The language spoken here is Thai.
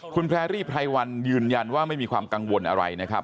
คุณแพรรี่ไพรวันยืนยันว่าไม่มีความกังวลอะไรนะครับ